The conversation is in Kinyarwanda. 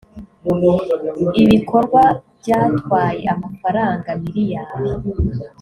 ibikorwa byatwaye amafaranga miliyari